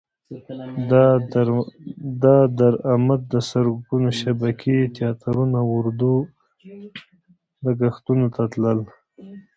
دا درامد د سرکونو شبکې، تیاترونه او اردو لګښتونو ته تلل.